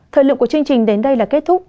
thời lượng của chương trình đến đây là kết thúc